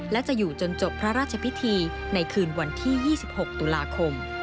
และจะอยู่จนจบพระราชพิธีในคืนวันที่๒๖ตุลาคม